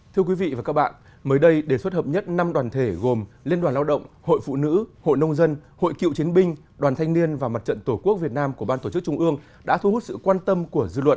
thưa quý vị và các bạn mới đây đề xuất hợp nhất năm đoàn thể gồm liên đoàn lao động hội phụ nữ hội nông dân hội cựu chiến binh đoàn thanh niên và mặt trận tổ quốc việt nam của ban tổ chức trung ương đã thu hút sự quan tâm của dư luận